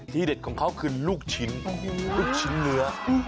เด็ดของเขาคือลูกชิ้นลูกชิ้นเนื้อ